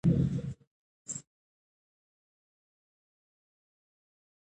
ارزو غوښتل پوه شي چې پاسپورت تر کومې نیټې اعتبار لري.